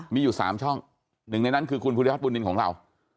มีอยู่๓ช่องหนึ่งในนั้นคือคุณภูริพัฒนบุญนินของเรา